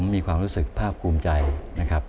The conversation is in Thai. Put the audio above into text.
มีความรู้สึกภาคภูมิใจนะครับ